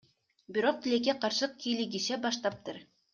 Бирок, тилекке каршы, кийлигише баштаптыр.